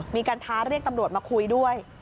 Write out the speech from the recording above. ท้าเรียกตำรวจมาคุยด้วย